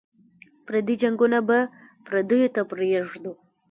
پردي جنګونه به پردیو ته پرېږدو.